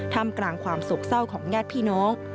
ทำกลางความโศกเศร้าของญาติพี่น้อง